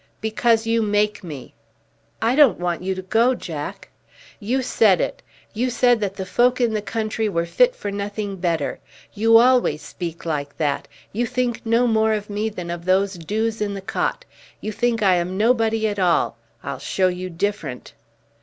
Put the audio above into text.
"Because you make me!" "I don't want you to go, Jack." "You said it. You said that the folk in the country were fit for nothing better. You always speak like that. You think no more of me than of those doos in the cot. You think I am nobody at all. I'll show you different."